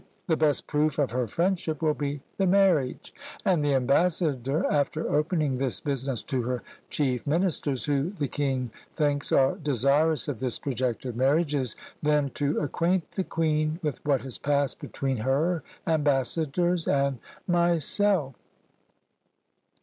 The best proof of her friendship will be the marriage; and the ambassador, after opening this business to her chief ministers, who the king thinks are desirous of this projected marriage, is then "to acquaint the queen with what has passed between her ambassadors and myself."